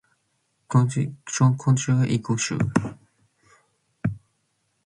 Chuenquio iccosh